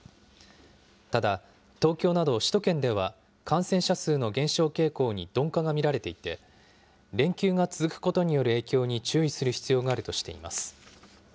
ただ、東京など首都圏では、感染者数の減少傾向に鈍化が見られていて、連休が続くことによる影響に注意する必要があるとしています。